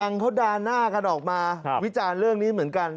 เขาด่าหน้ากันออกมาวิจารณ์เรื่องนี้เหมือนกัน